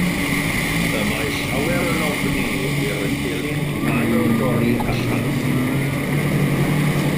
Y mae llawer yn ofni i'r helynt ail dorri allan.